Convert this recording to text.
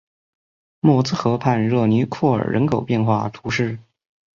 默兹河畔热尼库尔人口变化图示